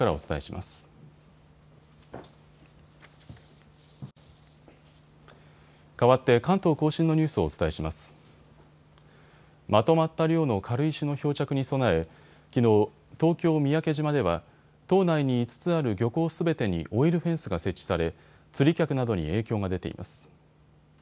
まとまった量の軽石の漂着に備えきのう、東京三宅島では島内に５つある漁港すべてにオイルフェンスが設置され、釣り客などに影響が出ています。